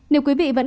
nếu quý vị vẫn